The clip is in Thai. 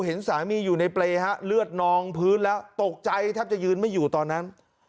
เห็นสามีอยู่ในเปรย์ฮะเลือดนองพื้นแล้วตกใจแทบจะยืนไม่อยู่ตอนนั้น